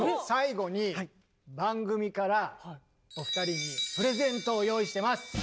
最後に番組からお二人にプレゼントを用意してます！